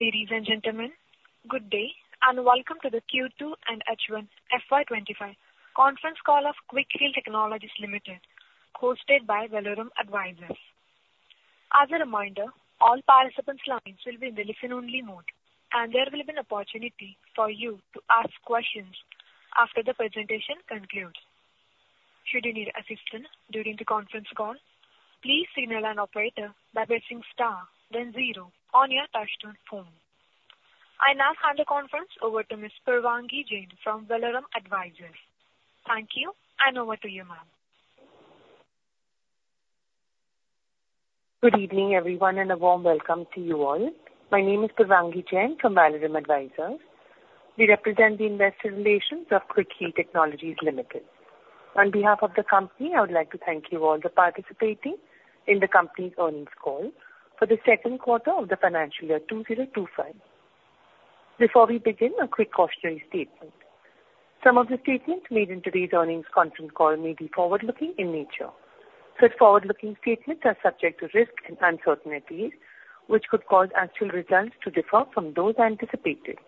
Ladies and gentlemen, good day, and welcome to the Q2 and H1 FY 2025 conference call of Quick Heal Technologies Limited, hosted by Velorum Advisors. As a reminder, all participants' lines will be in the listen-only mode, and there will be an opportunity for you to ask questions after the presentation concludes. Should you need assistance during the conference call, please signal an operator by pressing star then zero on your touchtone phone. I now hand the conference over to Ms. Purvangi Jain from Velorum Advisors. Thank you, and over to you, ma'am. Good evening, everyone, and a warm welcome to you all. My name is Purvangi Jain from Velorum Advisors. We represent the investor relations of Quick Heal Technologies Limited. On behalf of the company, I would like to thank you all for participating in the company's earnings call for the second quarter of the financial year 2025. Before we begin, a quick cautionary statement. Some of the statements made in today's earnings conference call may be forward-looking in nature. Such forward-looking statements are subject to risks and uncertainties, which could cause actual results to differ from those anticipated.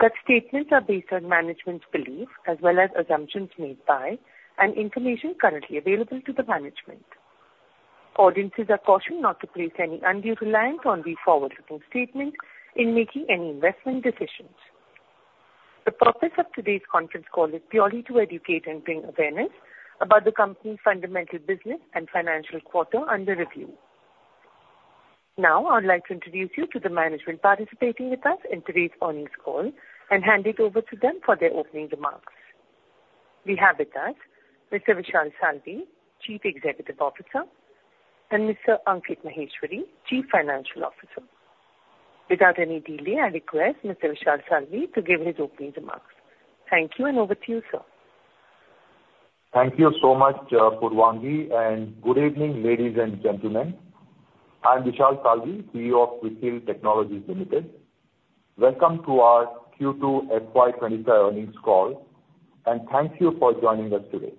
Such statements are based on management's beliefs as well as assumptions made by and information currently available to the management. Audiences are cautioned not to place any undue reliance on these forward-looking statements in making any investment decisions. The purpose of today's conference call is purely to educate and bring awareness about the company's fundamental business and financial quarter under review. Now, I would like to introduce you to the management participating with us in today's earnings call and hand it over to them for their opening remarks. We have with us Mr. Vishal Salvi, Chief Executive Officer, and Mr. Ankit Maheshwari, Chief Financial Officer. Without any delay, I request Mr. Vishal Salvi to give his opening remarks. Thank you, and over to you, sir. Thank you so much, Purvangi, and good evening, ladies and gentlemen. I'm Vishal Salvi, CEO of Quick Heal Technologies Limited. Welcome to our Q2 FY twenty-five earnings call, and thank you for joining us today.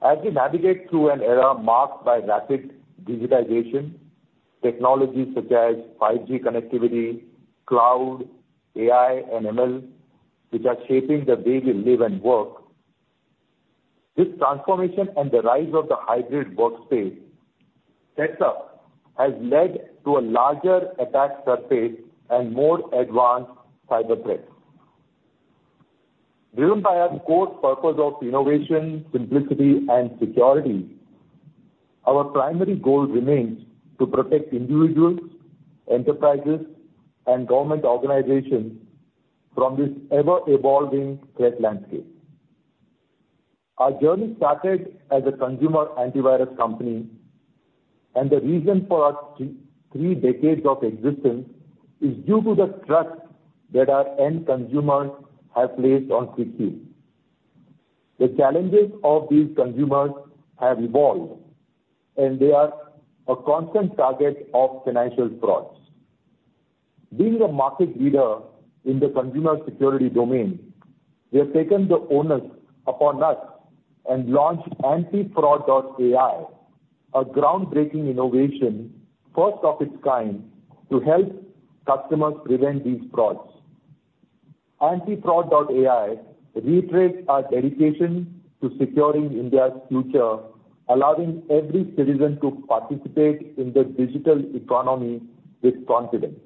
As we navigate through an era marked by rapid digitization, technologies such as 5G connectivity, cloud, AI, and ML, which are shaping the way we live and work, this transformation and the rise of the hybrid workspace setup has led to a larger attack surface and more advanced cyber threats. Driven by our core purpose of innovation, simplicity, and security, our primary goal remains to protect individuals, enterprises, and government organizations from this ever-evolving threat landscape. Our journey started as a consumer antivirus company, and the reason for our three decades of existence is due to the trust that our end consumers have placed on Quick Heal. The challenges of these consumers have evolved, and they are a constant target of financial frauds. Being a market leader in the consumer security domain, we have taken the onus upon us and launched AntiFraud.AI, a groundbreaking innovation, first of its kind, to help customers prevent these frauds. AntiFraud.AI retraced our dedication to securing India's future, allowing every citizen to participate in the digital economy with confidence.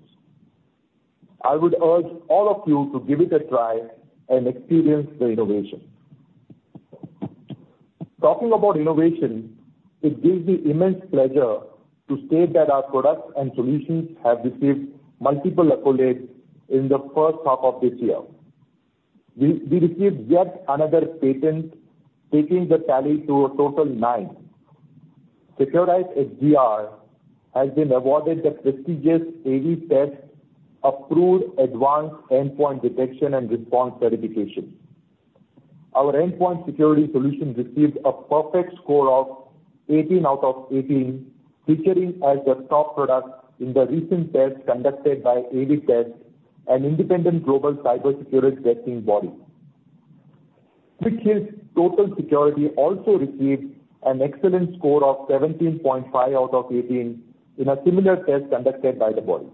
I would urge all of you to give it a try and experience the innovation. Talking about innovation, it gives me immense pleasure to state that our products and solutions have received multiple accolades in the first half of this year. We received yet another patent, taking the tally to a total nine. Seqrite XDR has been awarded the prestigious AV-TEST Approved Advanced Endpoint Detection and Response verification. Our endpoint security solution received a perfect score of 18 out of 18, featuring as the top product in the recent test conducted by AV-TEST, an independent global cybersecurity testing body. Quick Heal's Total Security also received an excellent score of 17.5 out of 18 in a similar test conducted by the body.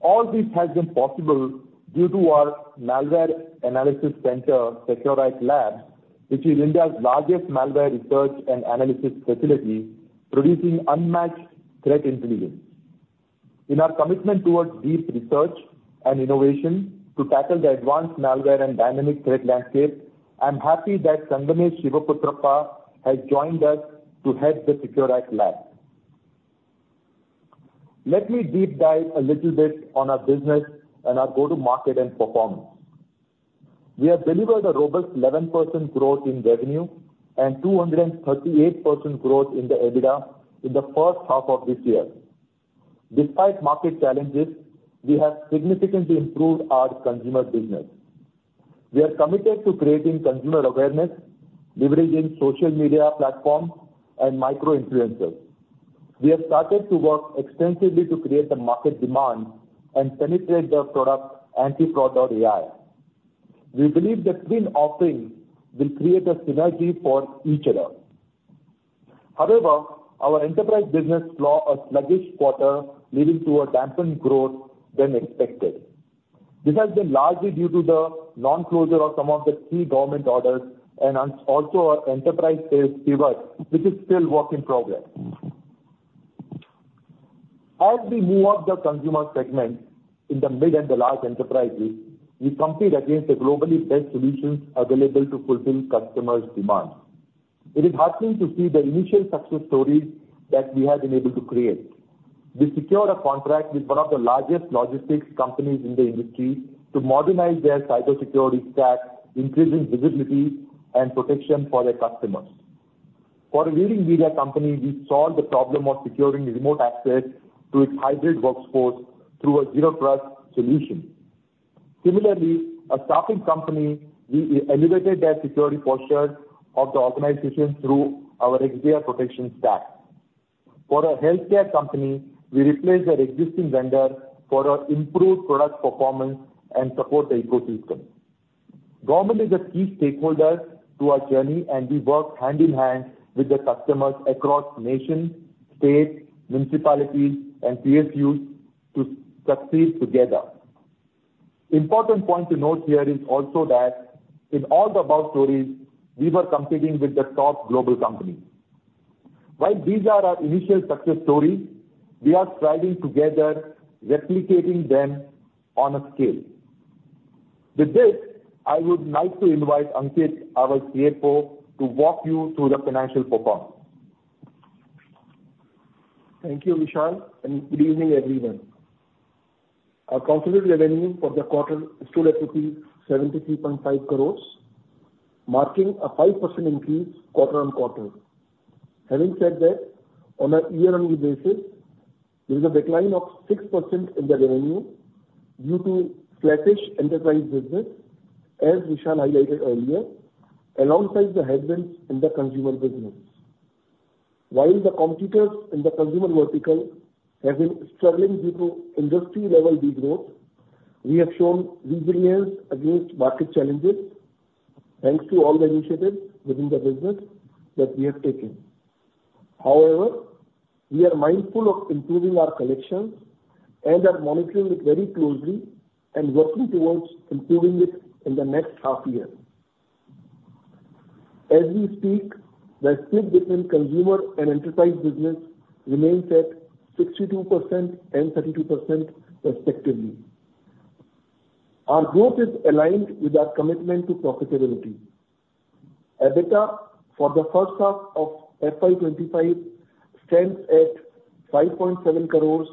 All this has been possible due to our malware analysis center, Seqrite Labs, which is India's largest malware research and analysis facility, producing unmatched threat intelligence. In our commitment towards deep research and innovation to tackle the advanced malware and dynamic threat landscape, I'm happy that Gangadhar Shivaputrappa has joined us to head the Seqrite Labs. Let me deep dive a little bit on our business and our go-to-market and performance. We have delivered a robust 11% growth in revenue and 238% growth in the EBITDA in the first half of this year. Despite market challenges, we have significantly improved our consumer business. We are committed to creating consumer awareness, leveraging social media platforms and micro influencers. We have started to work extensively to create the market demand and penetrate the product, AntiFraud.ai. We believe that twin offering will create a synergy for each other. However, our enterprise business saw a sluggish quarter, leading to a dampened growth than expected. This has been largely due to the non-closure of some of the key government orders and also our enterprise sales pivot, which is still work in progress. As we move up the consumer segment in the mid and the large enterprises, we compete against the globally best solutions available to fulfill customers' demands. It is heartening to see the initial success stories that we have been able to create. We secured a contract with one of the largest logistics companies in the industry to modernize their cybersecurity stack, increasing visibility and protection for their customers. For a leading media company, we solved the problem of securing remote access to its hybrid workforce through a Zero Trust solution. Similarly, a staffing company, we elevated their security posture of the organization through our XDR protection stack. For a healthcare company, we replaced their existing vendor for our improved product performance and support the ecosystem. Government is a key stakeholder to our journey, and we work hand in hand with the customers across nations, states, municipalities, and PSUs to succeed together. Important point to note here is also that in all the above stories, we were competing with the top global companies. While these are our initial success stories, we are striving together, replicating them on a scale. With this, I would like to invite Ankit, our CFO, to walk you through the financial performance. Thank you, Vishal, and good evening, everyone. Our consolidated revenue for the quarter stood at 73.5 crores rupees, marking a 5% increase quarter on quarter. Having said that, on a year-on-year basis, there is a decline of 6% in the revenue due to sluggish enterprise business, as Vishal highlighted earlier, alongside the headwinds in the consumer business. While the competitors in the consumer vertical have been struggling due to industry-level degrowth, we have shown resilience against market challenges, thanks to all the initiatives within the business that we have taken. However, we are mindful of improving our collections and are monitoring it very closely and working towards improving it in the next half year. As we speak, the split between consumer and enterprise business remains at 62% and 32% respectively. Our growth is aligned with our commitment to profitability. EBITDA for the first half of FY 2025 stands at 5.7 crores,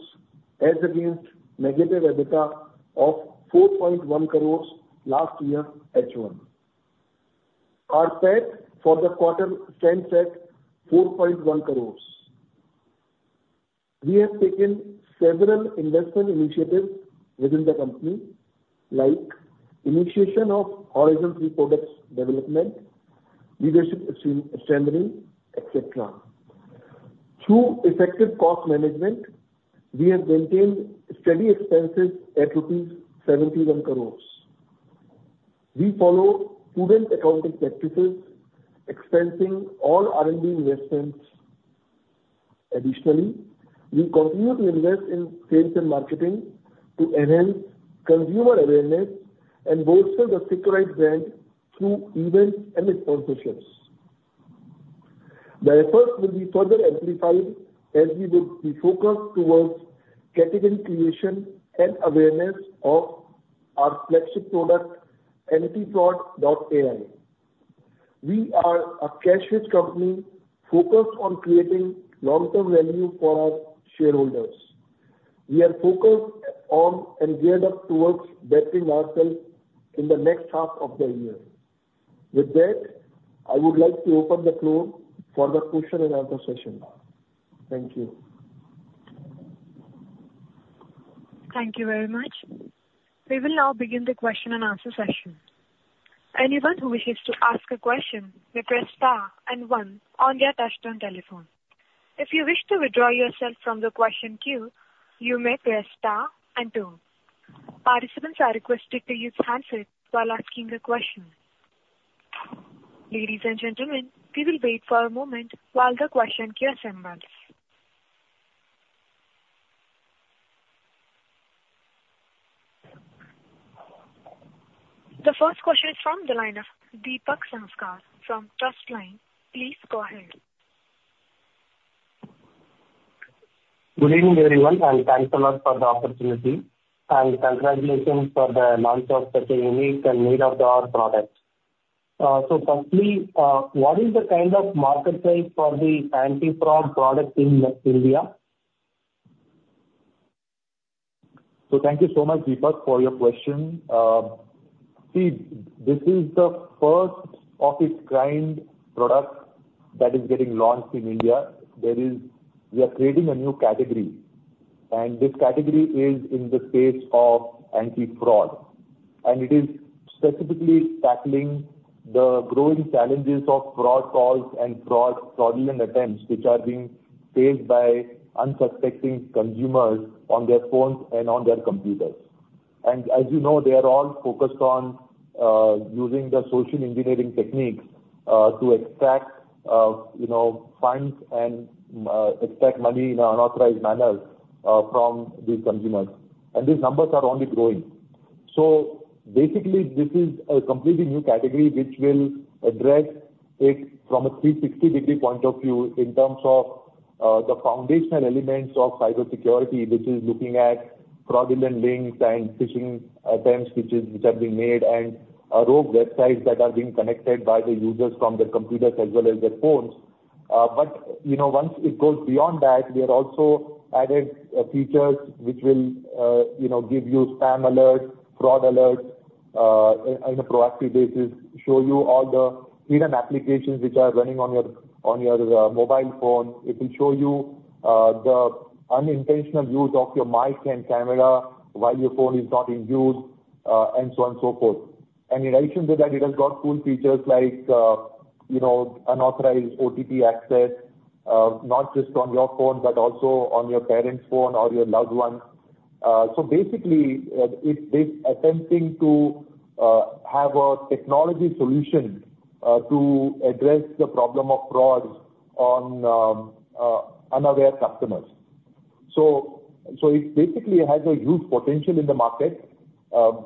as against negative EBITDA of 4.1 crores last year, H1. Our PAT for the quarter stands at 4.1 crores. We have taken several investment initiatives within the company, like initiation of Horizon 3 products development, leadership strengthening, et cetera. Through effective cost management, we have maintained steady expenses at rupees 71 crores. We follow prudent accounting practices, expensing all R&D investments. Additionally, we continue to invest in sales and marketing to enhance consumer awareness and bolster the Seqrite brand through events and sponsorships. The efforts will be further amplified as we would be focused towards category creation and awareness of our flagship product, AntiFraud.AI. We are a cash-rich company focused on creating long-term value for our shareholders. We are focused on and geared up towards bettering ourselves in the next half of the year. With that, I would like to open the floor for the question and answer session. Thank you. Thank you very much. We will now begin the question and answer session. Anyone who wishes to ask a question may press star and one on their touchtone telephone. If you wish to withdraw yourself from the question queue, you may press star and two. Participants are requested to use handset while asking a question. Ladies and gentlemen, we will wait for a moment while the question queue assembles. The first question is from the line of Deepak Sanskar from Trustline. Please go ahead. Good evening, everyone, and thanks a lot for the opportunity, and congratulations for the launch of such a unique and need-of-the-hour product. So firstly, what is the kind of marketplace for the anti-fraud product in India? Thank you so much, Deepak, for your question. See, this is the first-of-its-kind product that is getting launched in India. We are creating a new category, and this category is in the space of anti-fraud, and it is specifically tackling the growing challenges of fraud calls and fraud, fraudulent attempts, which are being faced by unsuspecting consumers on their phones and on their computers. And as you know, they are all focused on using the social engineering techniques to extract, you know, funds and extract money in an unauthorized manner from these consumers. And these numbers are only growing. So basically, this is a completely new category, which will address it from a 360-degree point of view in terms of the foundational elements of cybersecurity, which is looking at fraudulent links and phishing attempts which have been made, and rogue websites that are being connected by the users from their computers as well as their phones. But you know, once it goes beyond that, we have also added features which will you know give you spam alerts, fraud alerts on a proactive basis, show you all the hidden applications which are running on your mobile phone. It will show you the unintentional use of your mic and camera while your phone is not in use, and so on, so forth. And in addition to that, it has got cool features like, you know, unauthorized OTP access, not just on your phone, but also on your parents' phone or your loved ones. So basically, it's attempting to have a technology solution to address the problem of frauds on unaware customers. So it basically has a huge potential in the market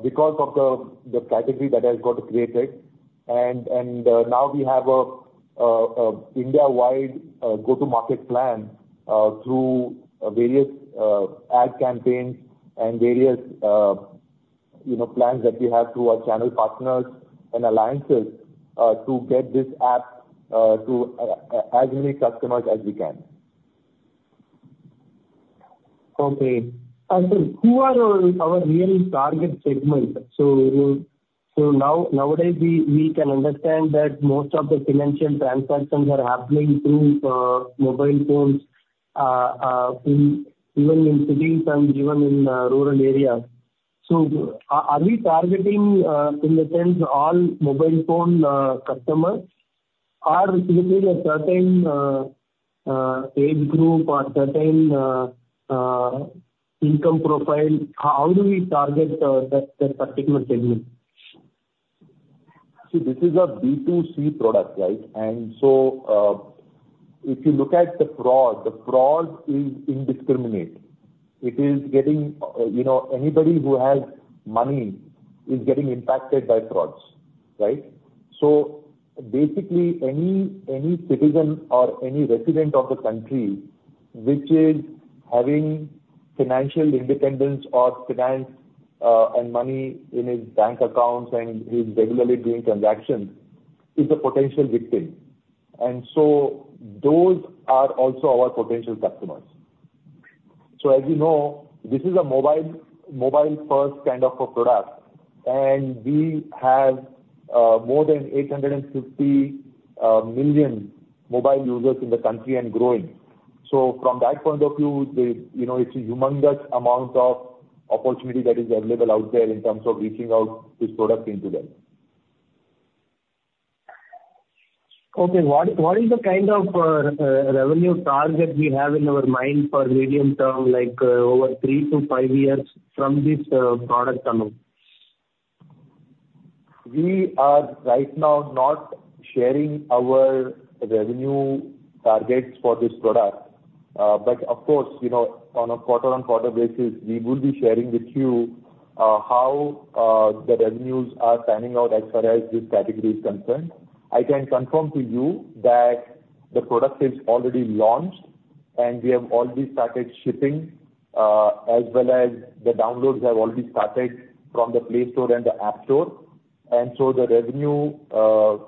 because of the category that has got created. And now we have a India-wide go-to-market plan through various ad campaigns and various, you know, plans that we have through our channel partners and alliances to get this app to as many customers as we can. Okay. And sir, who are our real target segment? So nowadays we can understand that most of the financial transactions are happening through mobile phones in even cities and even in rural areas. So are we targeting in the sense all mobile phone customers? Or is it a certain age group or certain income profile? How do we target that particular segment? See, this is a B2C product, right? And so, if you look at the fraud, the fraud is indiscriminate. It is getting, you know, anybody who has money is getting impacted by frauds, right? So basically, any citizen or any resident of the country which is having financial independence or finance, and money in his bank accounts and is regularly doing transactions, is a potential victim. And so those are also our potential customers. So as you know, this is a mobile-first kind of a product, and we have more than 850 million mobile users in the country, and growing. So from that point of view, you know, it's a humongous amount of opportunity that is available out there in terms of reaching out this product into them. Okay, what is the kind of revenue target we have in our mind for medium term, like, over three to five years from this product funnel? We are right now not sharing our revenue targets for this product, but of course, you know, on a quarter-on-quarter basis, we will be sharing with you, how the revenues are panning out as far as this category is concerned. I can confirm to you that the product is already launched, and we have already started shipping, as well as the downloads have already started from the Play Store and the App Store, and so the revenue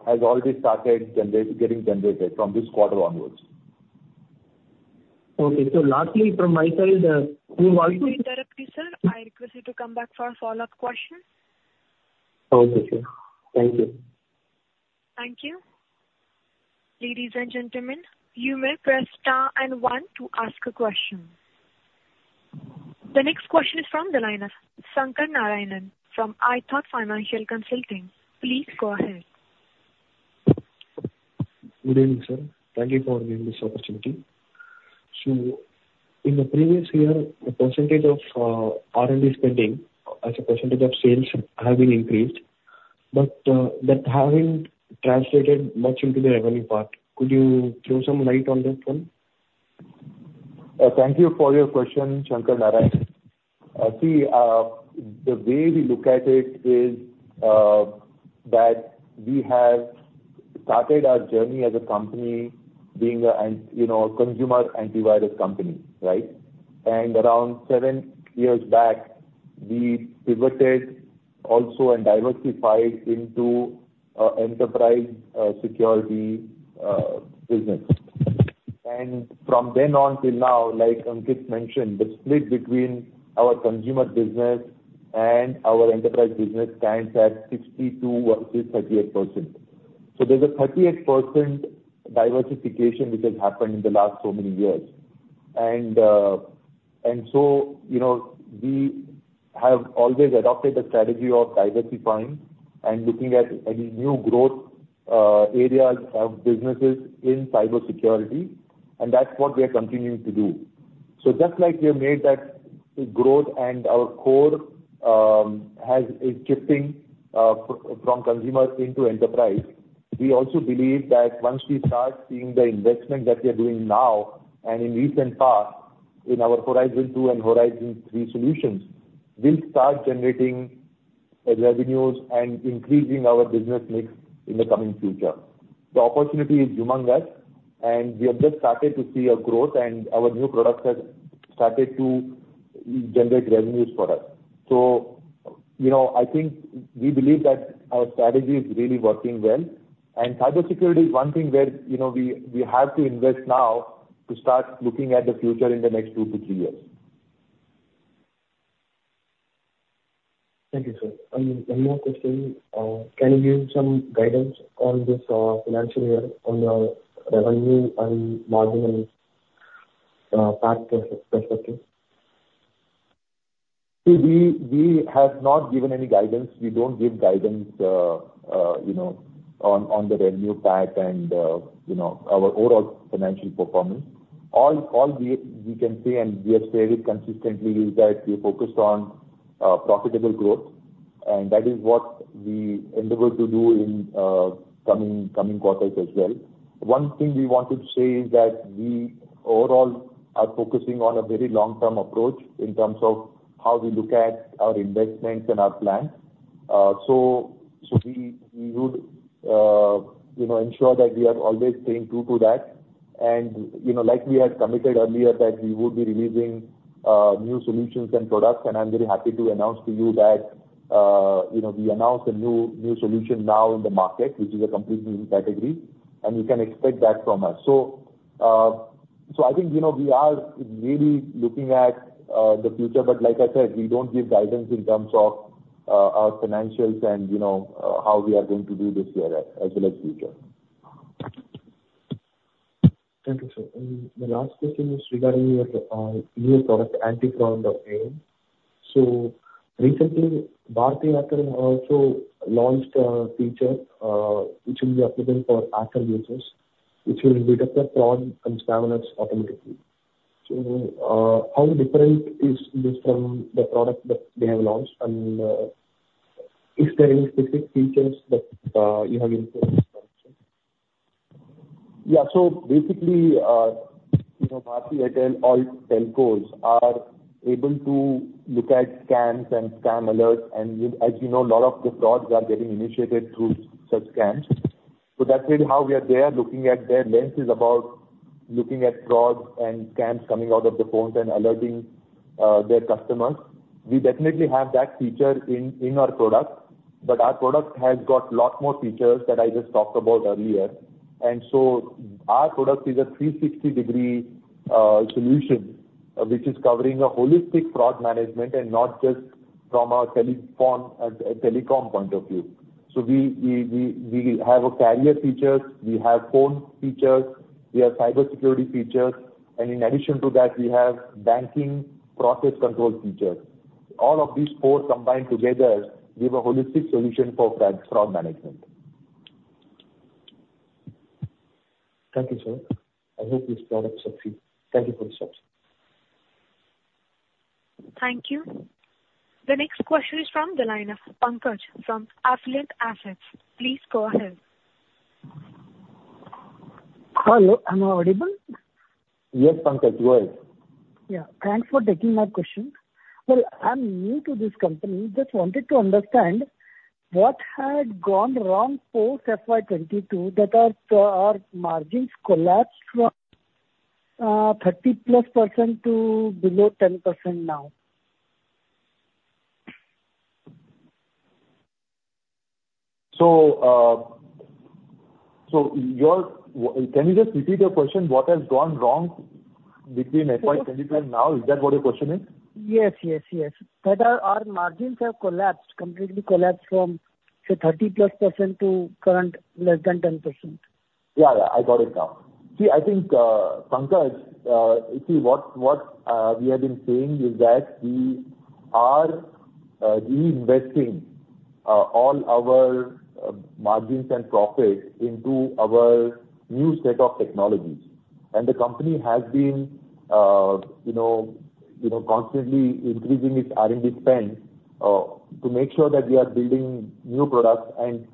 has already started getting generated from this quarter onwards. Okay, so lastly, from my side, we want to- May I interrupt you, sir? I request you to come back for a follow-up question. Okay. Thank you. Thank you. Ladies and gentlemen, you may press star and one to ask a question. The next question is from the line of Shankar Narayanan from Artha Financial Consulting. Please go ahead. Good evening, sir. Thank you for giving me this opportunity. So in the previous year, the percentage of R&D spending as a percentage of sales have been increased, but that haven't translated much into the revenue part. Could you throw some light on this one? Thank you for your question, Shankar Narayanan. See, the way we look at it is that we have started our journey as a company being a, and, you know, consumer antivirus company, right? And around seven years back, we pivoted also and diversified into enterprise security business. And from then on till now, like Ankit mentioned, the split between our consumer business and our enterprise business stands at 62 versus 38%. So there's a 38% diversification which has happened in the last so many years. And so you know, we have always adopted a strategy of diversifying and looking at any new growth areas of businesses in cybersecurity, and that's what we are continuing to do. So just like we have made that growth and our core is shifting from consumers into enterprise, we also believe that once we start seeing the investment that we are doing now and in recent past, in our Horizon two and Horizon three solutions, will start generating revenues and increasing our business mix in the coming future. The opportunity is humongous, and we have just started to see a growth and our new products have started to generate revenues for us. So, you know, I think we believe that our strategy is really working well, and cybersecurity is one thing where, you know, we have to invest now to start looking at the future in the next two to three years. Thank you, sir. And one more question: can you give some guidance on this financial year on your revenue and margin and PAT perspective? See, we have not given any guidance. We don't give guidance, you know, on the revenue PAT and, you know, our overall financial performance. All we can say, and we have said it consistently, is that we are focused on profitable growth, and that is what we endeavor to do in coming quarters as well. One thing we wanted to say is that we overall are focusing on a very long-term approach in terms of how we look at our investments and our plans. So we would, you know, ensure that we are always staying true to that. You know, like we had committed earlier, that we would be releasing new solutions and products, and I'm very happy to announce to you that, you know, we announced a new solution now in the market, which is a completely new category, and you can expect that from us. So, I think, you know, we are really looking at the future, but like I said, we don't give guidance in terms of our financials and, you know, how we are going to do this year as well as future. Thank you, sir. And the last question is regarding your new product, AntiFraud.AI. So recently, Bharti Airtel also launched a feature, which will be applicable for Airtel users, which will detect the fraud and scam alerts automatically. So, how different is this from the product that they have launched? And, is there any specific features that you have implemented? Yeah. So basically, you know, Bharti Airtel, all telcos are able to look at scams and scam alerts, and as you know, a lot of the frauds are getting initiated through such scams. So that's really how we are there looking at their lenses about looking at frauds and scams coming out of the phones and alerting their customers. We definitely have that feature in our product, but our product has got a lot more features that I just talked about earlier. And so our product is a 360-degree solution, which is covering a holistic fraud management and not just from a telephone telecom point of view. So we have carrier features, we have phone features, we have cybersecurity features, and in addition to that, we have banking process control features. All of these four combined together give a holistic solution for fraud, fraud management. Thank you, sir. I hope this product succeeds. Thank you for the session. Thank you. The next question is from the line of Pankaj, from Affluent Assets. Please go ahead. Hello, am I audible? Yes, Pankaj, you are. Yeah, thanks for taking my question. I'm new to this company, just wanted to understand what had gone wrong post FY 2022 that our margins collapsed from 30-plus% to below 10% now? Can you just repeat your question, what has gone wrong between FY twenty-two and now? Is that what your question is? Yes, yes, yes. That our margins have collapsed, completely collapsed from, say, 30-plus% to current less than 10%. Yeah, yeah, I got it now. See, I think, Pankaj, see, what we have been saying is that we are reinvesting all our margins and profits into our new set of technologies. And the company has been, you know, constantly increasing its R&D spend to make sure that we are building new products. And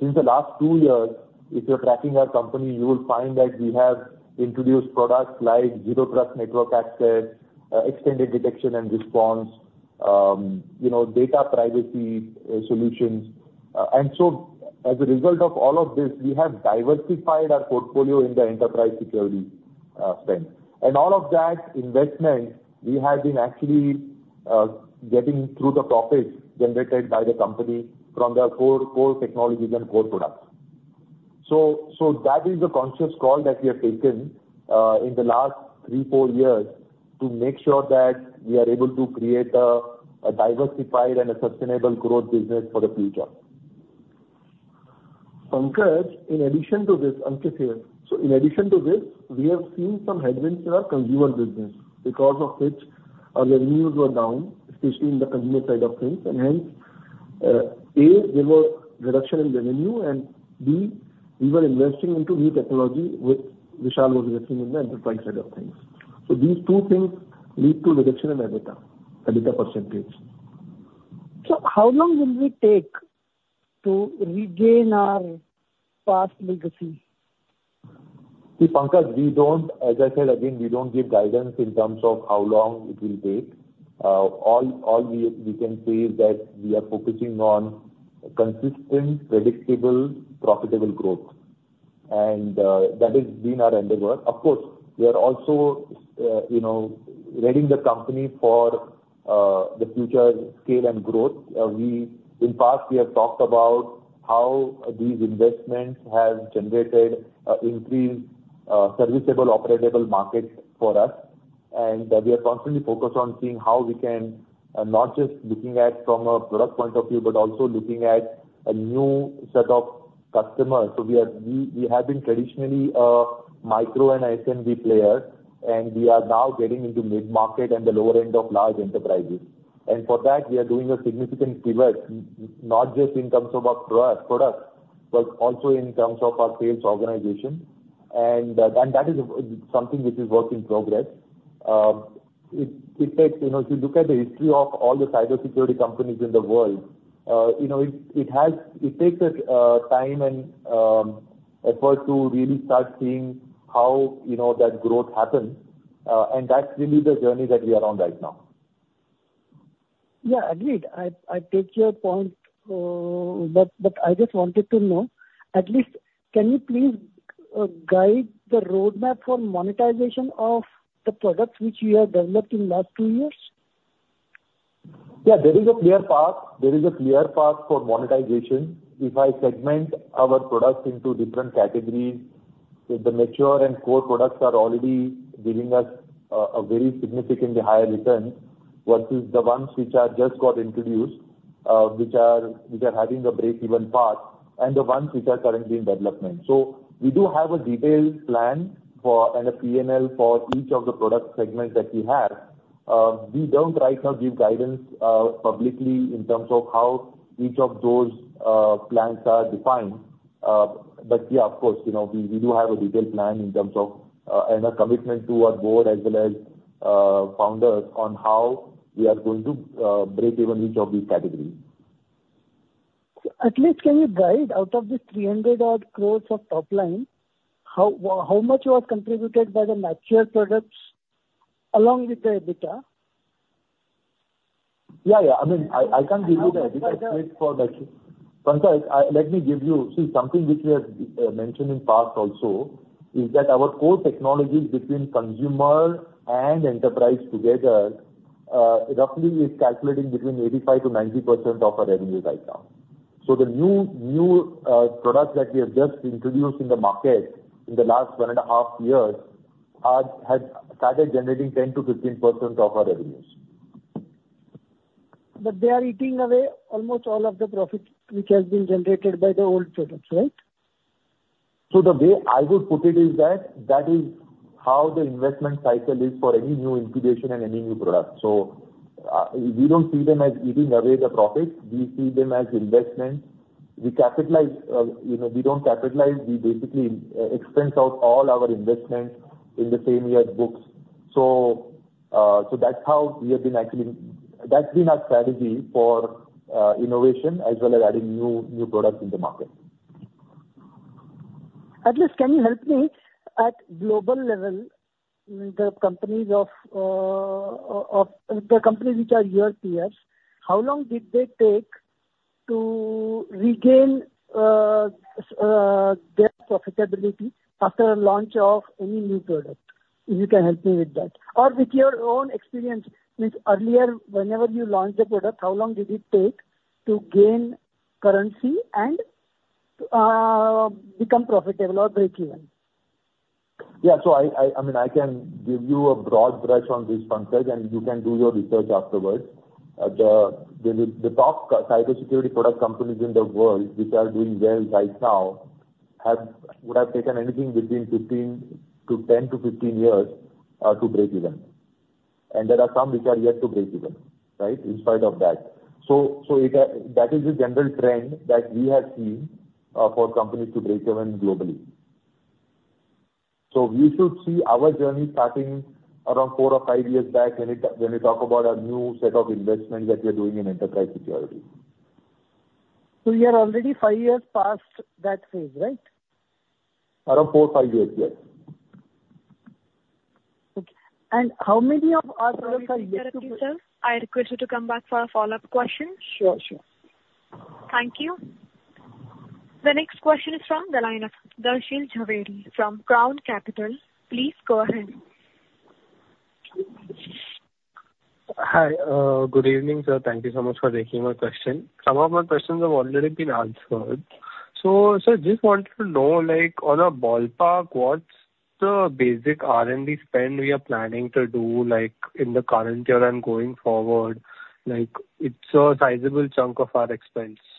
since the last two years, if you're tracking our company, you will find that we have introduced products like Zero Trust Network Access, Extended Detection and Response, you know, data privacy solutions. And so as a result of all of this, we have diversified our portfolio in the enterprise security spend. And all of that investment, we have been actually getting through the profits generated by the company from their core technologies and core products. So that is a conscious call that we have taken in the last three, four years, to make sure that we are able to create a diversified and a sustainable growth business for the future. Pankaj, in addition to this, Ankit here. So in addition to this, we have seen some headwinds in our consumer business, because of which our revenues were down, especially in the consumer side of things, and hence, A, there were reduction in revenue, and B, we were investing into new technology, which Vishal was investing in the enterprise side of things. So these two things lead to reduction in EBITDA, EBITDA percentage. How long will we take to regain our past legacy? See, Pankaj, we don't. As I said, again, we don't give guidance in terms of how long it will take. All we can say is that we are focusing on consistent, predictable, profitable growth. And that has been our endeavor. Of course, we are also, you know, readying the company for the future scale and growth. In past, we have talked about how these investments have generated increased serviceable operatable markets for us. And we are constantly focused on seeing how we can, not just looking at from a product point of view, but also looking at a new set of customers. So we are, we have been traditionally a micro and SMB player, and we are now getting into mid-market and the lower end of large enterprises. And for that, we are doing a significant pivot, not just in terms of our products, but also in terms of our sales organization. And that is something which is work in progress. It takes. You know, if you look at the history of all the cybersecurity companies in the world, you know, it takes a time and effort to really start seeing how, you know, that growth happens. And that's really the journey that we are on right now. Yeah, agreed. I take your point, but I just wanted to know, at least, can you please guide the roadmap for monetization of the products which you have developed in last two years? Yeah, there is a clear path. There is a clear path for monetization. If I segment our products into different categories, the mature and core products are already giving us a very significantly higher return, versus the ones which are just got introduced, which are having a breakeven path, and the ones which are currently in development, so we do have a detailed plan for and a P&L for each of the product segments that we have. We don't right now give guidance publicly in terms of how each of those plans are defined, but yeah, of course, you know, we do have a detailed plan in terms of and a commitment to our board, as well as founders, on how we are going to breakeven each of these categories. At least can you guide, out of the 300 odd crores of top line, how much was contributed by the mature products along with the EBITDA? Yeah, yeah. I mean, I can give you the EBITDA straight for that. Pankaj, let me give you. See, something which we have mentioned in past also, is that our core technologies between consumer and enterprise together, roughly is calculating between 85%-90% of our revenues right now. So the new products that we have just introduced in the market in the last one and a half years, have started generating 10%-15% of our revenues. But they are eating away almost all of the profits, which has been generated by the old products, right? So the way I would put it is that that is how the investment cycle is for any new incubation and any new product. So we don't see them as eating away the profits. We see them as investment. We capitalize, you know, we don't capitalize. We basically expense out all our investments in the same year's books. So that's how we have been actually. That's been our strategy for innovation, as well as adding new products in the market. At least can you help me, at global level, the companies of, the companies which are your peers, how long did they take to regain their profitability after launch of any new product? If you can help me with that. Or with your own experience, means earlier, whenever you launched a product, how long did it take to gain currency and, become profitable or breakeven? Yeah. So I mean, I can give you a broad brush on this, Pankaj, and you can do your research afterwards. The top cybersecurity product companies in the world which are doing well right now would have taken anything between fifteen to ten to fifteen years to breakeven. And there are some which are yet to breakeven, right? In spite of that. That is the general trend that we have seen for companies to breakeven globally. So we should see our journey starting around four or five years back when we talk about a new set of investments that we are doing in enterprise security. So we are already five years past that phase, right? Around four, five years, yes. Okay. And how many of our products are-... I request you to come back for a follow-up question. Sure, sure. Thank you. The next question is from the line of Darshil Zaveri from Crown Capital. Please go ahead. Hi, good evening, sir. Thank you so much for taking my question. Some of my questions have already been answered. So sir, just wanted to know, like, on a ballpark, so basic R&D spend, we are planning to do, like, in the current year and going forward, like, it's a sizable chunk of our expense. Hello?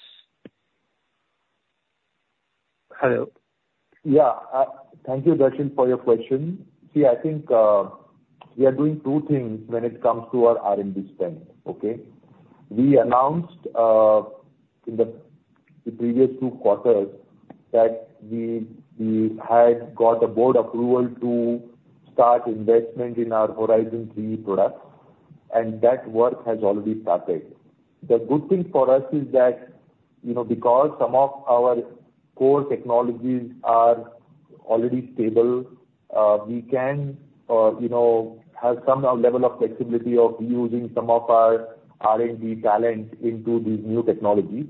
Yeah. Thank you, Darshil, for your question. See, I think we are doing two things when it comes to our R&D spend, okay? We announced in the previous two quarters that we had got a board approval to start investment in our Horizon 3 products, and that work has already started. The good thing for us is that, you know, because some of our core technologies are already stable, we can, you know, have some level of flexibility of using some of our R&D talent into these new technologies.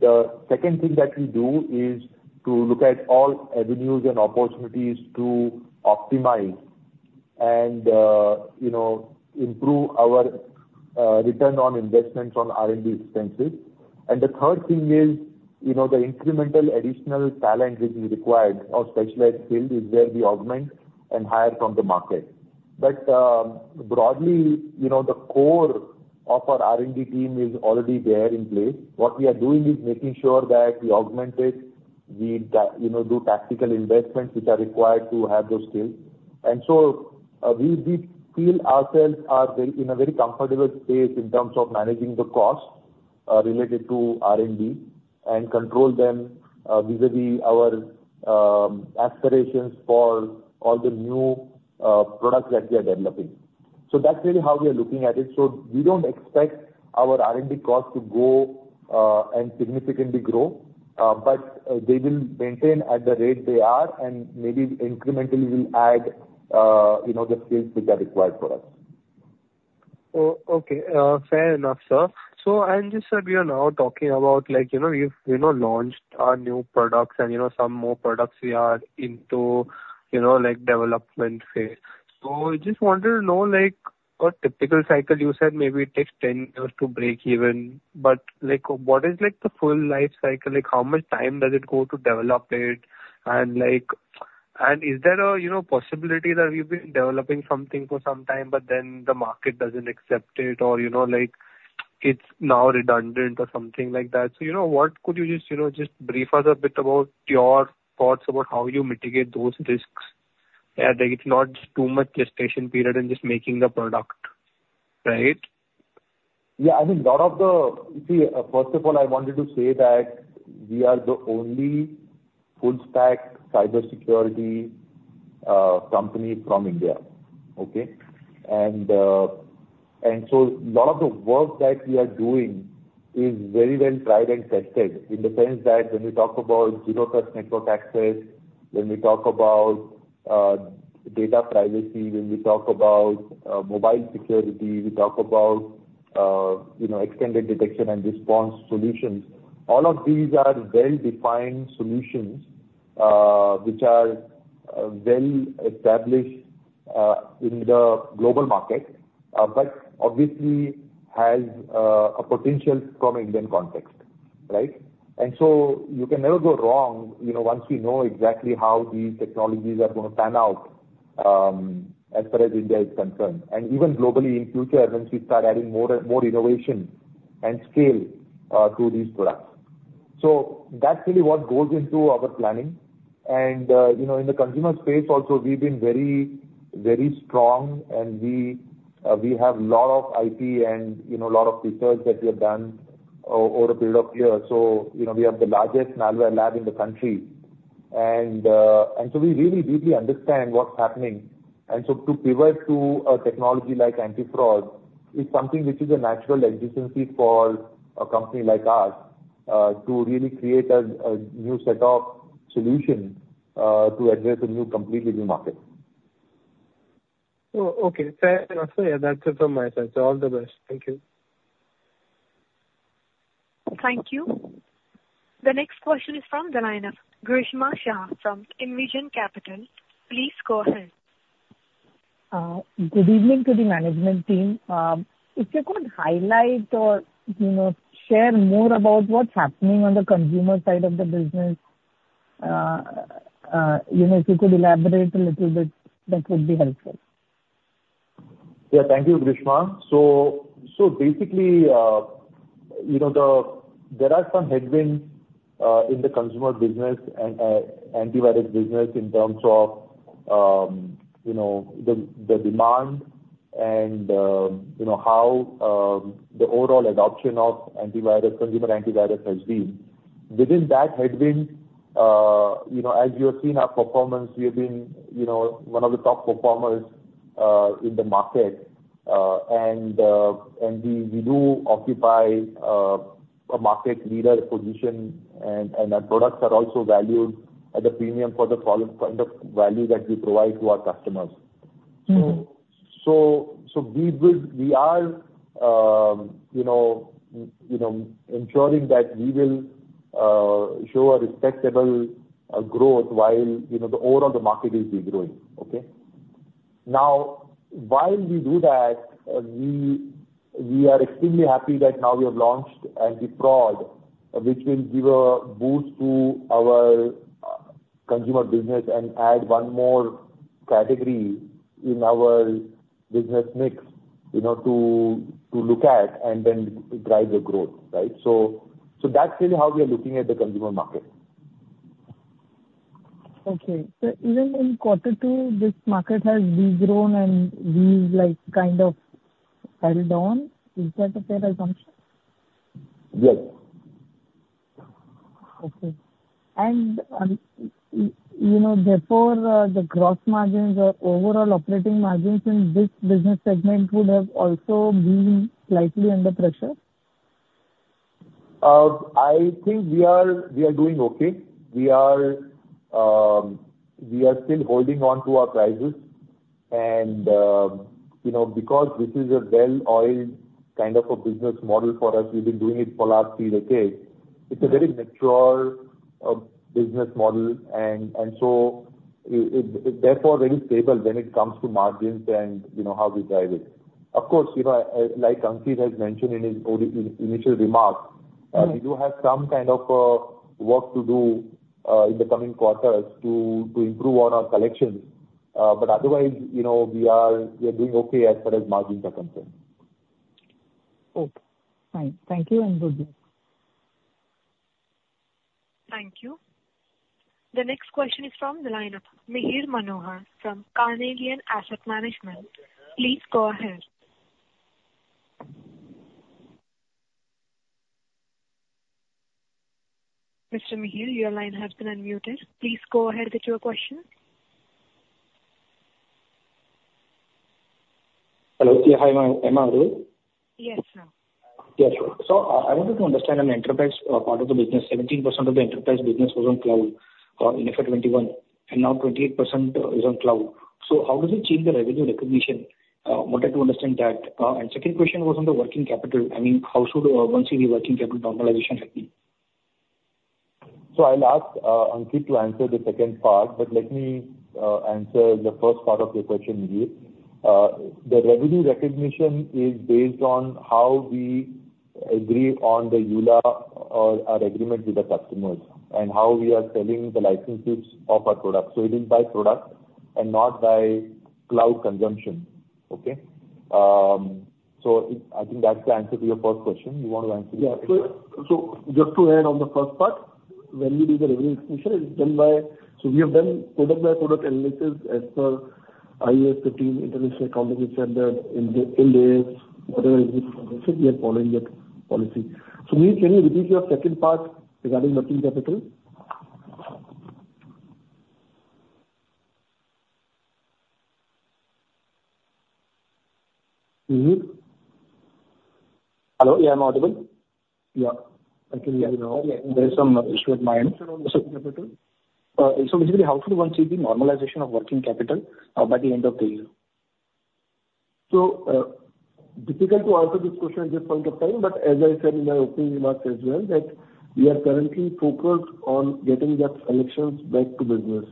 The second thing that we do is to look at all avenues and opportunities to optimize and, you know, improve our return on investment on R&D expenses. And the third thing is, you know, the incremental additional talent which is required or specialized skill, is where we augment and hire from the market. But, broadly, you know, the core of our R&D team is already there in place. What we are doing is making sure that we augment it, we, you know, do tactical investments which are required to have those skills. And so, we feel ourselves are very, in a very comfortable space in terms of managing the cost, related to R&D and control them, vis-a-vis our, aspirations for all the new, products that we are developing. So that's really how we are looking at it. So we don't expect our R&D cost to go and significantly grow, but they will maintain at the rate they are and maybe incrementally will add you know the skills which are required for us. Oh, okay. Fair enough, sir. So I'm just, we are now talking about like, you know, we've, you know, launched our new products and, you know, some more products we are into, you know, like, development phase. So just wanted to know, like, a typical cycle, you said maybe it takes ten years to break even, but, like, what is, like, the full life cycle? Like, how much time does it go to develop it? And, like, and is there a, you know, possibility that we've been developing something for some time, but then the market doesn't accept it, or, you know, like, it's now redundant or something like that? So, you know, what could you just, you know, just brief us a bit about your thoughts about how you mitigate those risks, that it's not just too much gestation period and just making the product, right? Yeah, I mean, first of all, I wanted to say that we are the only full stack cybersecurity company from India, okay? And, and so a lot of the work that we are doing is very well tried and tested, in the sense that when we talk about zero trust network access, when we talk about data privacy, when we talk about mobile security, we talk about, you know, extended detection and response solutions. All of these are well-defined solutions, which are well established in the global market, but obviously has a potential from Indian context, right? And so you can never go wrong, you know, once we know exactly how these technologies are gonna pan out, as far as India is concerned, and even globally in future, once we start adding more, more innovation and scale, to these products. So that's really what goes into our planning. And, you know, in the consumer space also, we've been very, very strong, and we have lot of IP and, you know, a lot of research that we have done over a period of years. So, you know, we have the largest malware lab in the country. And, and so we really deeply understand what's happening. To pivot to a technology like anti-fraud is something which is a natural adjacency for a company like us, to really create a new set of solutions, to address a new, completely new market. Oh, okay. Fair enough. So, yeah, that's it from my side. So all the best. Thank you. Thank you. The next question is from Grishma Shah from Envision Capital. Please go ahead. Good evening to the management team. If you could highlight or, you know, share more about what's happening on the consumer side of the business, you know, if you could elaborate a little bit, that would be helpful. Yeah. Thank you, Grishma. So, basically, you know, there are some headwinds in the consumer business and antivirus business in terms of, you know, the demand and, you know, how the overall adoption of antivirus, consumer antivirus has been. Within that headwind, you know, as you have seen our performance, we have been, you know, one of the top performers in the market. And we do occupy a market leader position, and our products are also valued at a premium for the value, kind of value that we provide to our customers. Mm-hmm. So we will, we are, you know, you know, ensuring that we will show a respectable growth while, you know, the overall market will be growing. Okay? Now, while we do that, we are extremely happy that now we have launched AntiFraud.ai, which will give a boost to our consumer business and add one more category in our business mix, you know, to look at and then drive the growth, right? So that is how we are looking at the consumer market. Okay. So even in quarter two, this market has de-grown and we've like, kind of, held on. Is that a fair assumption? Yes. Okay, and you know, therefore, the gross margins or overall operating margins in this business segment would have also been slightly under pressure? I think we are doing okay. We are still holding on to our prices and, you know, because this is a well-oiled kind of a business model for us, we've been doing it for last decade. It's a very mature business model and, therefore, very stable when it comes to margins and, you know, how we drive it. Of course, like Ankit has mentioned in his opening initial remarks- Mm-hmm. We do have some kind of work to do in the coming quarters to improve on our collections. But otherwise, you know, we are doing okay as far as margins are concerned. Okay. Fine. Thank you and good day. Thank you. The next question is from the line of Mihir Manohar from Carnelian Asset Management. Please go ahead. Mr. Mihir, your line has been unmuted. Please go ahead with your question. Hello. Yeah, hi, ma'am? Am I audible? Yes, sir. Yeah, sure. So, I wanted to understand on the enterprise part of the business. 17% of the enterprise business was on cloud in FY 2021, and now 28% is on cloud. So how does it change the revenue recognition? Wanted to understand that. And second question was on the working capital. I mean, how should one see the working capital normalization happening? So I'll ask Ankit to answer the second part, but let me answer the first part of your question, Mihir. The revenue recognition is based on how we agree on the EULA or our agreement with the customers, and how we are selling the licenses of our product. So it is by product and not by cloud consumption. Okay? So I think that's the answer to your first question. You want to answer the second part? Yeah. So just to add on the first part, when we do the revenue recognition, it's done by... So we have done product by product analysis as per IAS 15, International Accounting Standard, Ind AS, whatever it is, we have followed that policy. So Mihir, can you repeat your second part regarding working capital? Mihir? Hello, yeah, I'm audible. Yeah. I can hear you now. There is some issue with my end. So basically, how should one see the normalization of working capital by the end of the year? So, difficult to answer this question at this point of time, but as I said in my opening remarks as well, that we are currently focused on getting that collections back to business.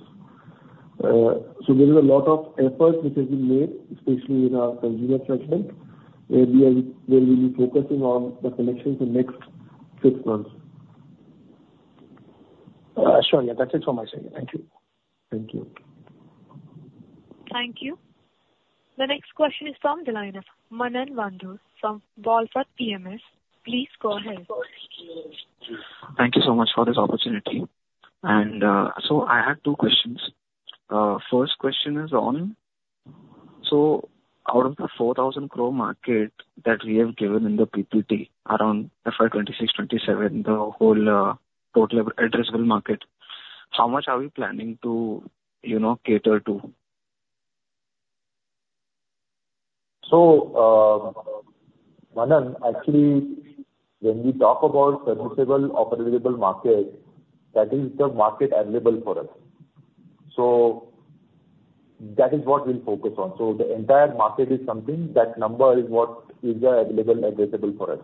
So there is a lot of efforts which have been made, especially in our consumer segment, where we are, where we'll be focusing on the collections in next six months. Sure. Yeah, that's it from my side. Thank you. Thank you. Thank you. The next question is from the line of Manan Bhandari from Wallfort PMS. Please go ahead. Thank you so much for this opportunity. I have two questions. First question is on so out of the 4,000 crore market that we have given in the PPT, around FY 2026-2027, the whole total addressable market, how much are we planning to, you know, cater to? Manan, actually, when we talk about serviceable addressable market, that is the market available for us. That is what we'll focus on. The entire market is something, that number is what is the available, addressable for us.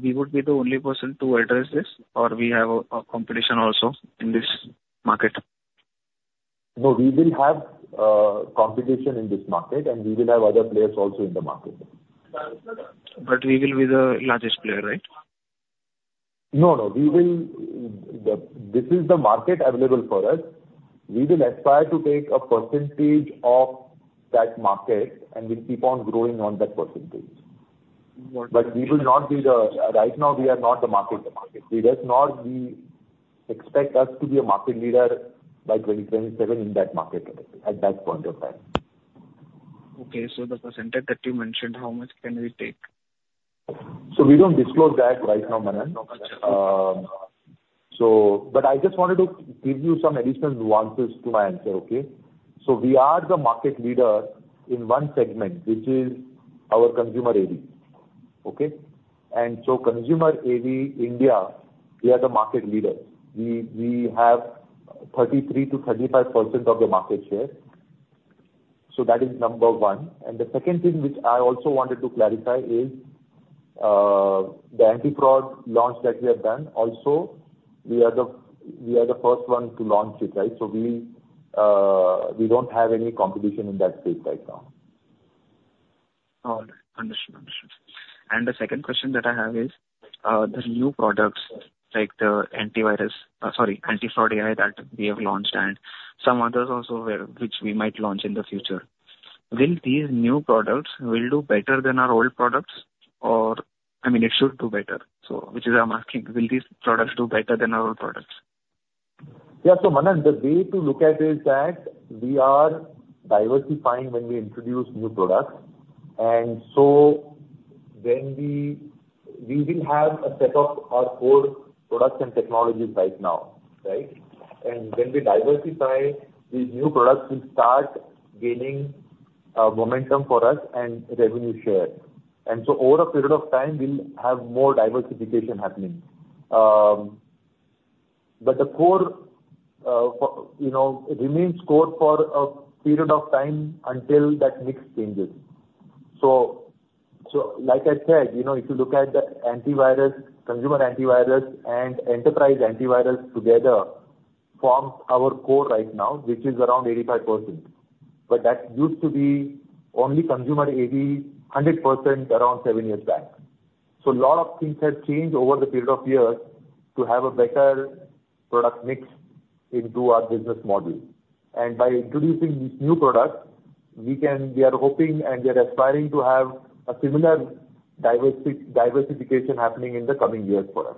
We would be the only person to address this, or we have, competition also in this market? No, we will have competition in this market, and we will have other players also in the market. But we will be the largest player, right? No, no. We will. This is the market available for us. We will aspire to take a percentage of that market, and we'll keep on growing on that percentage. Okay. But right now, we are not the market leader. We do not. We expect to be a market leader by 2027 in that market, at that point of time. Okay, so the percentage that you mentioned, how much can we take? We don't disclose that right now, Manan. Okay. So, but I just wanted to give you some additional nuances to my answer, okay? So we are the market leader in one segment, which is our consumer AV, okay? And so consumer AV India, we are the market leader. We have 33%-35% of the market share. So that is number one. And the second thing which I also wanted to clarify is, the anti-fraud launch that we have done, also, we are the first one to launch it, right? So we don't have any competition in that space right now. All right. Understood. Understood. And the second question that I have is, the new products, like the antivirus, sorry, AntiFraud.AI that we have launched and some others also which we might launch in the future. Will these new products will do better than our old products, or I mean, it should do better? So which is I'm asking, will these products do better than our old products? Yeah. So, Manan, the way to look at it is that we are diversifying when we introduce new products, and so then we, we will have a set of our core products and technologies right now, right? And when we diversify, these new products will start gaining momentum for us and revenue share. And so over a period of time, we'll have more diversification happening. But the core, you know, remains core for a period of time until that mix changes. So, so like I said, you know, if you look at the antivirus, consumer antivirus and enterprise antivirus together form our core right now, which is around 85%. But that used to be only consumer AV 100% around seven years back. So a lot of things have changed over the period of years to have a better product mix into our business model. By introducing these new products, we are hoping and we are aspiring to have a similar diversification happening in the coming years for us.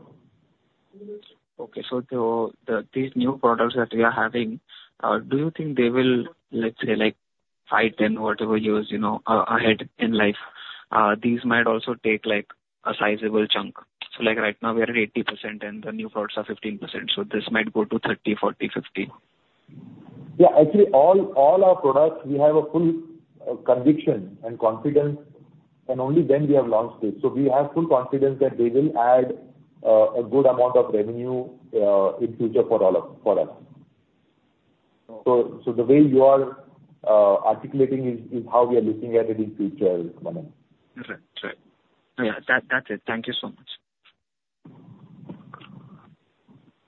Okay. So these new products that we are having, do you think they will, let's say, like, five, 10, whatever years, you know, ahead in life, these might also take, like, a sizable chunk. So like right now we are at 80%, and the new products are 15%, so this might go to 30, 40, 50. Yeah. Actually, all our products, we have full conviction and confidence, and only then we have launched it. So we have full confidence that they will add a good amount of revenue in future for us. So the way you are articulating is how we are looking at it in future, Manan. That's right. That's right. Yeah, that, that's it. Thank you so much.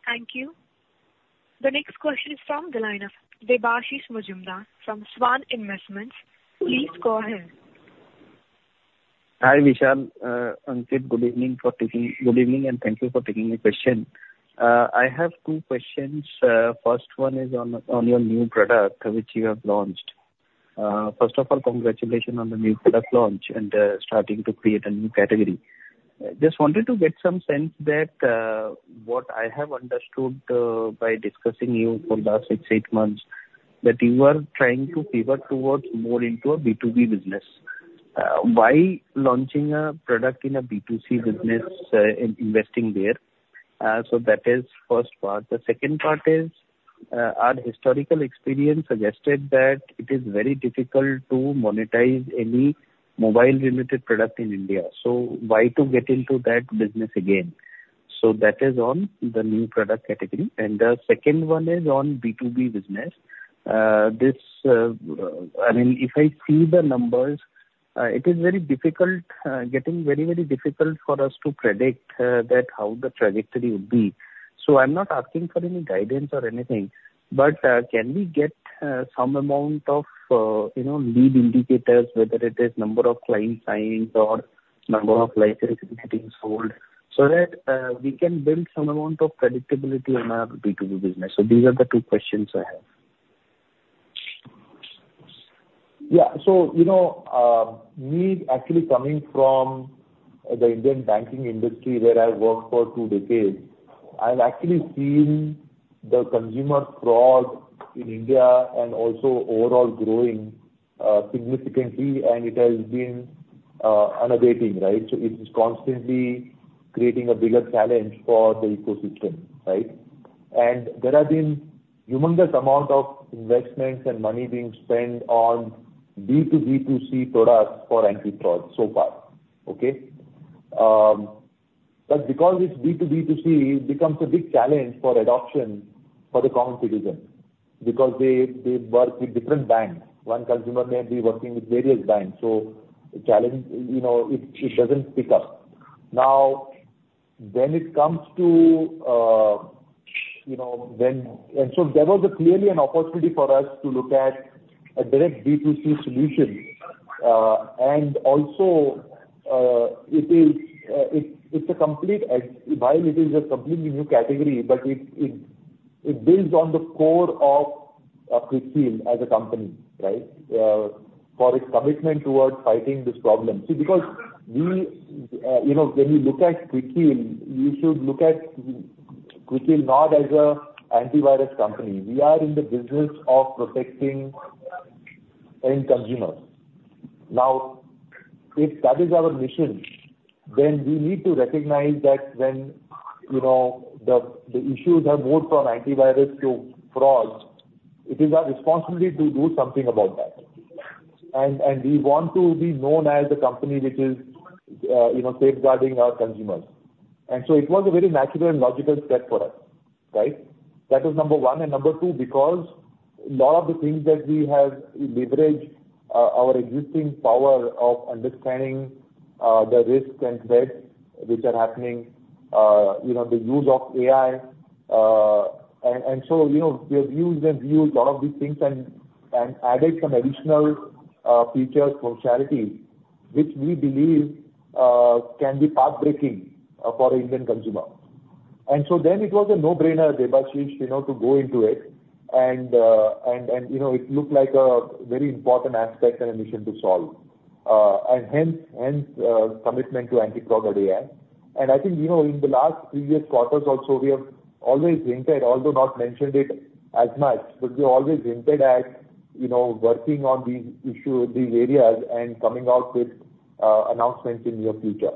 Thank you. The next question is from the line of Debashish Mazumdar from Swan Capital. Please go ahead. Good evening, and thank you for taking my question. I have two questions. First one is on your new product which you have launched. First of all, congratulations on the new product launch and starting to create a new category. Just wanted to get some sense that what I have understood by discussing you for the last six, eight months, that you are trying to pivot towards more into a B2B business. Why launching a product in a B2C business and investing there? So that is first part. The second part is, our historical experience suggested that it is very difficult to monetize any mobile-limited product in India, so why to get into that business again? So that is on the new product category, and the second one is on B2B business. This, I mean, if I see the numbers, it is very difficult, getting very, very difficult for us to predict, that how the trajectory would be. So I'm not asking for any guidance or anything, but, can we get, some amount of, you know, lead indicators, whether it is number of clients signed or number of licenses getting sold, so that, we can build some amount of predictability in our B2B business? So these are the two questions I have. Yeah. So, you know, me actually coming from the Indian banking industry, where I worked for two decades, I've actually seen the consumer fraud in India and also overall growing significantly, and it has been unabating, right? So it is constantly creating a bigger challenge for the ecosystem, right? And there have been humongous amount of investments and money being spent on B2B2C products for anti-fraud so far. Okay? But because it's B2B2C, it becomes a big challenge for adoption for the common citizen, because they, they work with different banks. One consumer may be working with various banks, so the challenge, you know, it, it doesn't pick up. Now, when it comes to, you know, when... And so there was clearly an opportunity for us to look at a direct B2C solution. And also, it is a completely new category, but it builds on the core of Quick Heal as a company, right? For its commitment towards fighting this problem. See, because you know, when you look at Quick Heal, you should look at Quick Heal not as an antivirus company. We are in the business of protecting end consumers. Now, if that is our mission, then we need to recognize that when, you know, the issues have moved from antivirus to fraud, it is our responsibility to do something about that. And we want to be known as a company which is, you know, safeguarding our consumers... And so it was a very natural and logical step for us, right? That is number one, and number two, because a lot of the things that we have leveraged, our existing power of understanding, the risks and threats which are happening, you know, the use of AI, and so, you know, we have used and viewed a lot of these things and added some additional features for charity, which we believe can be pathbreaking for the Indian consumer, and so then it was a no-brainer, Debashish, you know, to go into it and you know, it looked like a very important aspect and a mission to solve, and hence commitment to AntiFraud.AI. And I think, you know, in the last previous quarters also, we have always hinted, although not mentioned it as much, but we always hinted at, you know, working on these issues, these areas, and coming out with announcements in near future.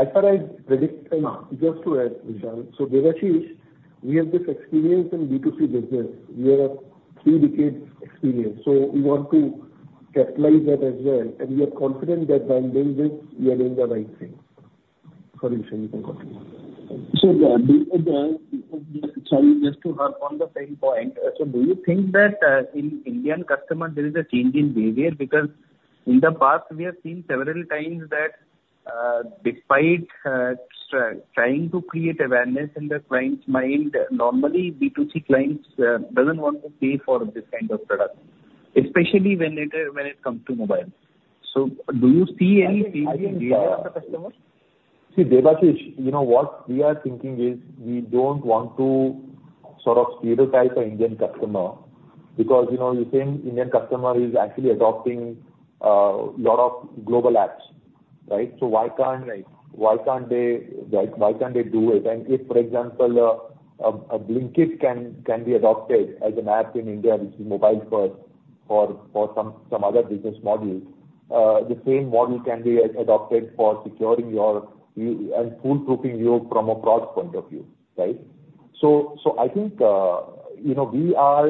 As far as predict- Just to add, Vishal. So Debashish, we have this experience in B2C business. We have a three decades experience, so we want to capitalize that as well, and we are confident that by doing this, we are doing the right thing. Sorry, Vishal, you can continue. So, sorry, just to harp on the same point. So do you think that in Indian customer there is a change in behavior? Because in the past, we have seen several times that, despite trying to create awareness in the client's mind, normally B2C clients doesn't want to pay for this kind of product, especially when it comes to mobile. So do you see any change in behavior of the customers? See, Debashish, you know, what we are thinking is, we don't want to sort of stereotype an Indian customer, because, you know, the same Indian customer is actually adopting a lot of global apps, right? So why can't they do it? And if, for example, a Blinkit can be adopted as an app in India, which is mobile first for some other business model, the same model can be adopted for securing your device and foolproofing you from a fraud point of view, right? So I think, you know, we are...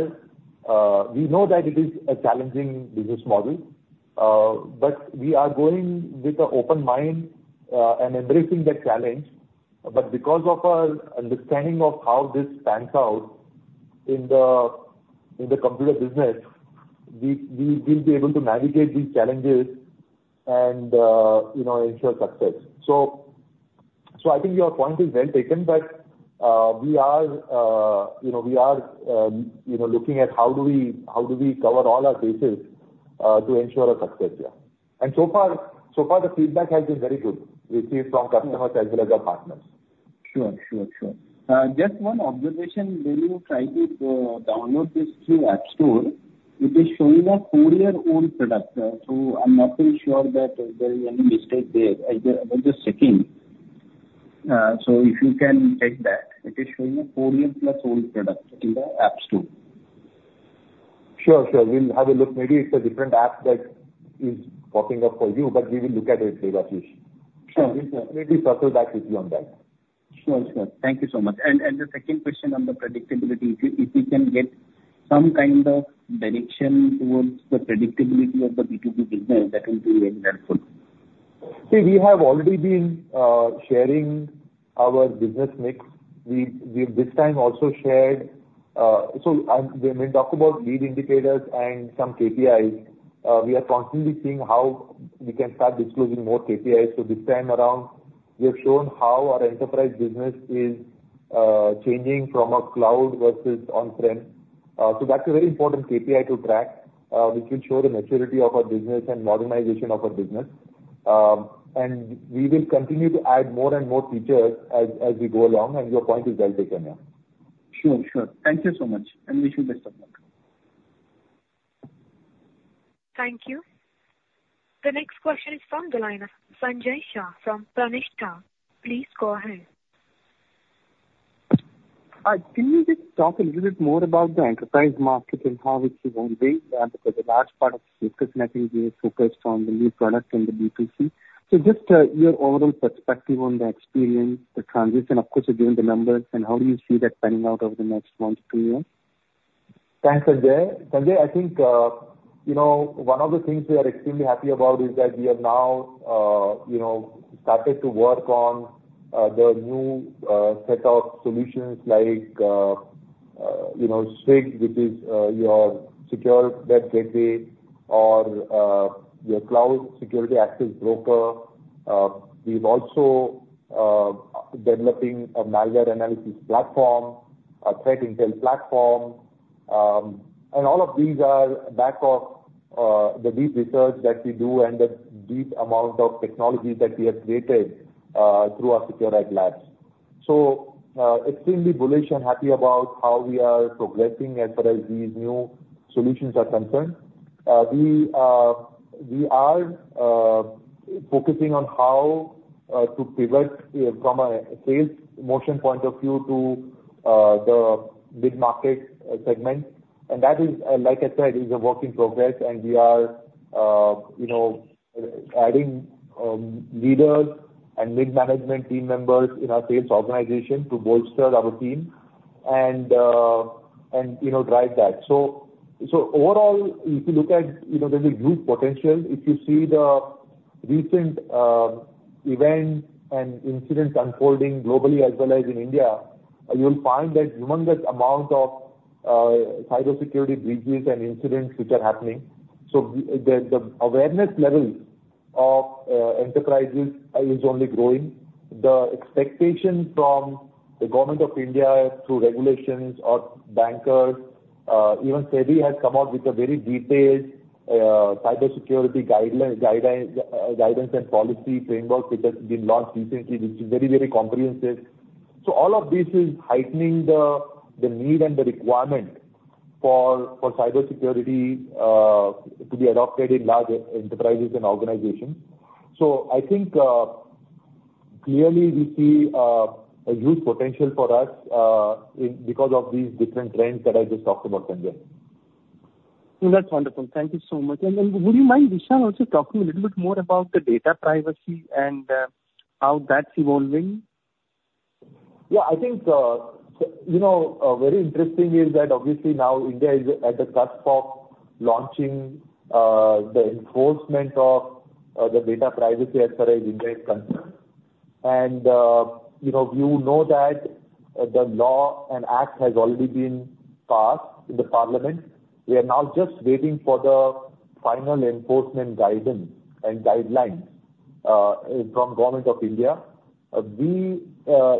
we know that it is a challenging business model, but we are going with an open mind and embracing the challenge. But because of our understanding of how this pans out in the computer business, we will be able to navigate these challenges and, you know, ensure success. So I think your point is well taken, but we are, you know, we are, you know, looking at how do we cover all our bases to ensure our success, yeah. And so far, the feedback has been very good, received from customers as well as our partners. Sure, sure, sure. Just one observation, when you try to download this through App Store, it is showing a four-year-old product. So I'm not very sure that there is any mistake there. I'm just checking. So if you can check that, it is showing a four-year-plus old product in the App Store. Sure, sure. We'll have a look. Maybe it's a different app that is popping up for you, but we will look at it, Debashish. Sure. We'll circle back with you on that. Sure. Thank you so much. And the second question on the predictability, if you can get some kind of direction towards the predictability of the B2B business, that will be very helpful. See, we have already been sharing our business mix. We've this time also shared, so when we talk about lead indicators and some KPIs, we are constantly seeing how we can start disclosing more KPIs. So this time around, we have shown how our enterprise business is changing from a cloud versus on-prem, so that's a very important KPI to track, which will show the maturity of our business and modernization of our business. And we will continue to add more and more features as we go along, and your point is well taken, yeah. Sure, sure. Thank you so much, and wish you best of luck. Thank you. The next question is from the line of Sanjay Shah from KSA Shares & Securities. Please go ahead. Can you just talk a little bit more about the enterprise market and how it is going to be, because a large part of the focus, and I think we are focused on the new product in the B2C. So just, your overall perspective on the experience, the transition, of course, again, the numbers, and how do you see that panning out over the next month to a year? Thanks, Sanjay. Sanjay, I think, you know, one of the things we are extremely happy about is that we have now, you know, started to work on the new set of solutions like, you know, SWG, which is your Secure Web Gateway or your Cloud Security Access Broker. We're also developing a malware analysis platform, a threat intel platform, and all of these are back of the deep research that we do and the deep amount of technology that we have created through our Seqrite Labs. So, extremely bullish and happy about how we are progressing as far as these new solutions are concerned. We are focusing on how to pivot from a sales motion point of view to the mid-market segment. And that is, like I said, a work in progress and we are, you know, adding leaders and mid-management team members in our sales organization to bolster our team and, you know, drive that. So overall, if you look at, you know, there's a huge potential. If you see the recent events and incidents unfolding globally as well as in India, you'll find that humongous amount of cybersecurity breaches and incidents which are happening. So the awareness level of enterprises is only growing. The expectation from the Government of India through regulations or bankers, even SEBI has come out with a very detailed cybersecurity guideline, guidance and policy framework, which has been launched recently, which is very, very comprehensive. So all of this is heightening the need and the requirement for cybersecurity to be adopted in large enterprises and organizations. So I think clearly we see a huge potential for us in because of these different trends that I just talked about, Sanjay. That's wonderful. Thank you so much. And then would you mind, Vishal, also talking a little bit more about the data privacy and how that's evolving? Yeah, I think, you know, very interesting is that obviously now India is at the cusp of launching, the enforcement of, the data privacy as far as India is concerned. And, you know, you know that the law and act has already been passed in the parliament. We are now just waiting for the final enforcement guidance and guidelines, from Government of India. We,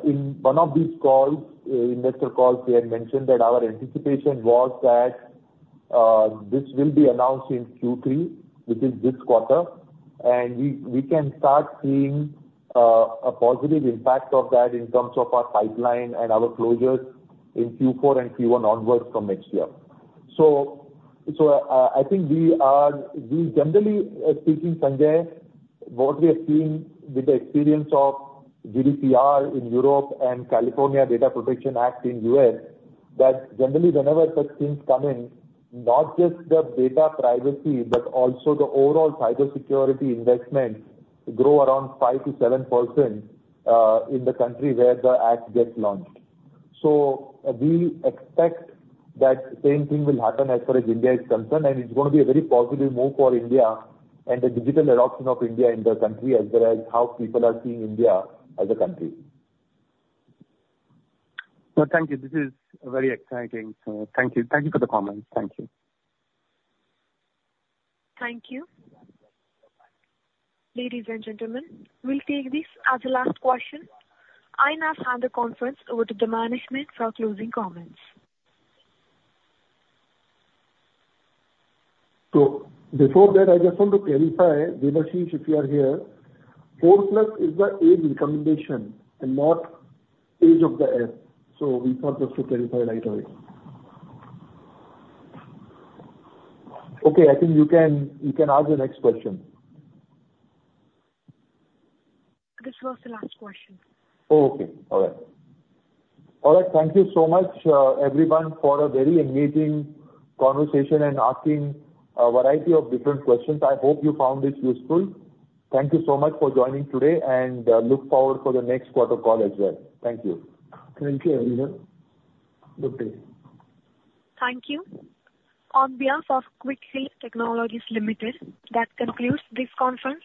in one of these calls, investor calls, we had mentioned that our anticipation was that, this will be announced in Q3, which is this quarter. And we, we can start seeing, a positive impact of that in terms of our pipeline and our closures in Q4 and Q1 onwards from next year. I think, generally speaking, Sanjay, what we have seen with the experience of GDPR in Europe and California Data Protection Act in US, that generally whenever such things come in, not just the data privacy, but also the overall cybersecurity investments grow around 5%-7% in the country where the act gets launched. We expect that same thing will happen as far as India is concerned, and it is going to be a very positive move for India and the digital adoption of India in the country, as well as how people are seeing India as a country. Thank you. This is very exciting. Thank you. Thank you for the comments. Thank you. Thank you. Ladies and gentlemen, we'll take this as the last question. I now hand the conference over to the management for closing comments. So, before that, I just want to clarify, Debashish, if you are here, four plus is the AI recommendation and not age of the heir. So we thought just to clarify right away. Okay, I think you can ask the next question. This was the last question. Oh, okay. All right. All right, thank you so much, everyone, for a very engaging conversation and asking a variety of different questions. I hope you found this useful. Thank you so much for joining today, and, look forward for the next quarter call as well. Thank you. Thank you, everyone. Good day. Thank you. On behalf of Quick Heal Technologies Limited, that concludes this conference.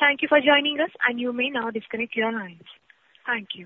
Thank you for joining us, and you may now disconnect your lines. Thank you.